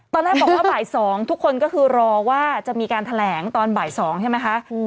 ตอนแรกบอกว่าบ่าย๒ทุกคนก็คือรอว่าจะมีการแถลงตอนบ่าย๒ใช่ไหมคะ